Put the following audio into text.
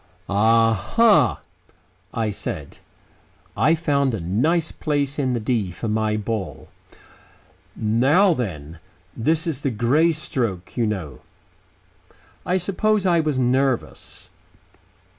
"A ha!" I said. I found a nice place in the "D" for my ball. "Now then. This is the Grey stroke, you know." I suppose I was nervous.